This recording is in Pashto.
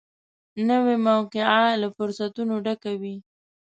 نوې موقعه له فرصتونو ډکه وي